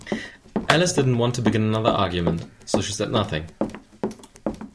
Alice didn’t want to begin another argument, so she said nothing.